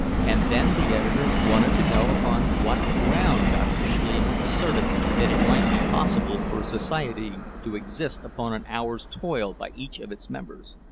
And then the editor wanted to know upon what ground Dr. Schliemann asserted that it might be possible for a society to exist upon an hour's toil by each of its members.